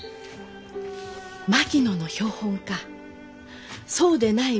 槙野の標本かそうでないものか